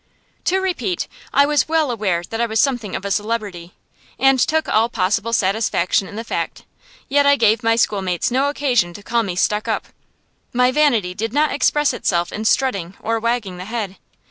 To repeat, I was well aware that I was something of a celebrity, and took all possible satisfaction in the fact; yet I gave my schoolmates no occasion to call me "stuck up." My vanity did not express itself in strutting or wagging the head.